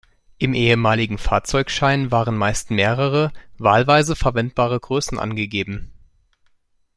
Im ehemaligen Fahrzeugschein waren meist mehrere, wahlweise verwendbare Größen angegeben.